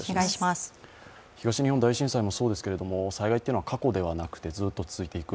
東日本大震災もそうですが、災害というのは過去ではなく、ずっと続いていく。